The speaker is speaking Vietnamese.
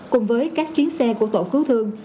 cùng với các chuyến xe của tổ cứu thương